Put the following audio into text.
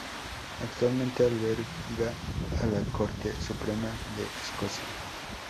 Actualmente alberga a la "Corte Suprema de Escocia".